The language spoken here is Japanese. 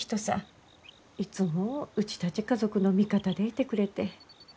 いつもうちたち家族の味方でいてくれて。